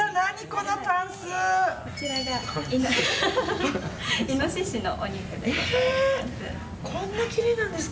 こちらがイノシシのお肉でございます。